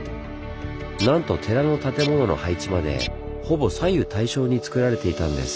なんと寺の建物の配置までほぼ左右対称につくられていたんです。